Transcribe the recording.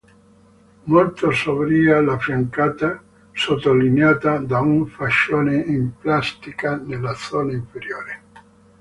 Molto sobria la fiancata, sottolineata da un fascione in plastica nella zona inferiore.